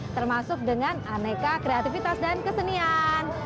termasuk dengan aneka kreativitas dan kesenian